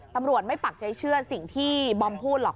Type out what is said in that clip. ตำรวจไม่ปักใจเชื่อสิ่งที่บอมพูดหรอก